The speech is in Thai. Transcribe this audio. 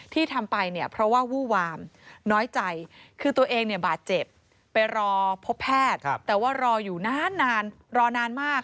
ที่ทำไปเนี่ยเพราะว่าวู้วามน้อยใจคือตัวเองเนี่ยบาดเจ็บไปรอพบแพทย์แต่ว่ารออยู่นานรอนานมาก